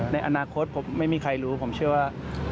ในอนาคตผมไม่มีใครรู้ผมเชื่อว่า